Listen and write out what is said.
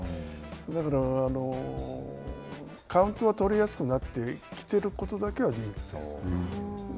だから、カウントは取りやすくなってきてることだけは事実です。